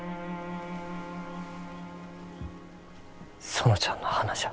園ちゃんの花じゃ。